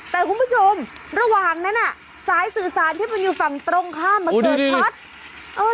แต่คุณผู้ชมระหว่างนั้นน่ะสายสื่อสารที่มันอยู่ฝั่งตรงข้ามมาเกิดช็อต